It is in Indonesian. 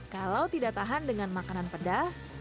kalau tidak tahan dengan makanan pedas